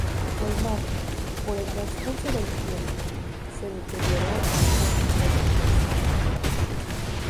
La imagen, por el transcurso del tiempo, se deterioró y hubo de ser restaurada.